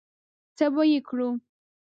څه به یې کړو؟